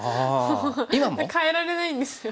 今も！？替えられないんですよ